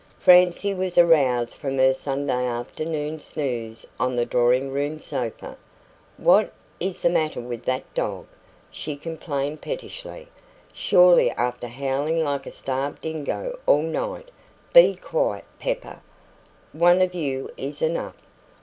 Francie was aroused from her Sunday afternoon snooze on the drawing room sofa. "What IS the matter with that dog?" she complained pettishly. "Surely, after howling like a starved dingo all night be quiet, Pepper! One of you is enough."